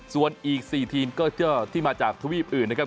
ส่วนอีก๔ทีมก็เจอที่มาจากทวีปอื่นนะครับ